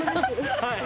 はい。